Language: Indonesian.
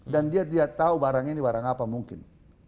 dan dia tahu barang ini barang apa mungkin